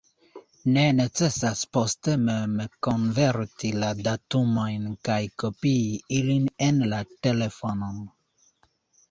Ne necesas poste mem konverti la datumojn kaj kopii ilin en la telefonon.